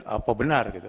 apa benar gitu